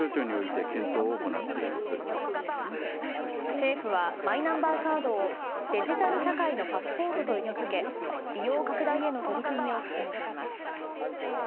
政府はマイナンバーカードをデジタル社会のパスポートと位置づけ利用拡大への取り組みを進めています。